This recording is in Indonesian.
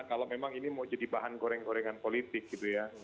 kalau memang ini mau jadi bahan goreng gorengan politik gitu ya